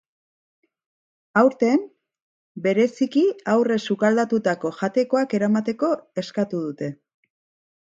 Aurten, bereziki aurrez sukaldatutako jatekoak eramateko eskatu dute.